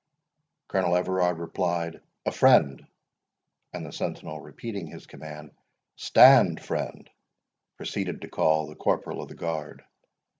Colonel Everard replied, A friend; and the sentinel repeating his command, "Stand, friend," proceeded to call the corporal of the guard.